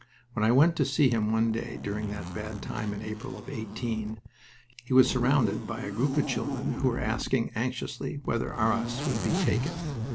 When I went to see him one day during that bad time in April of '18, he was surrounded by a group of children who were asking anxiously whether Arras would be taken.